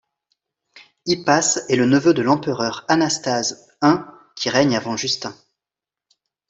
Hypace est le neveu de l'empereur Anastase I, qui règne avant Justin.